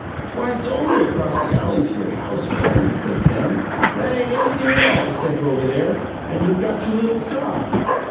"Why, it's only across the alley to your house, Herman!" said Sam. "That ain't anything at all to step over there, and you've got your little saw."